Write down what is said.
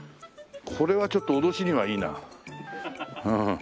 これはちょっと脅しにはいいな。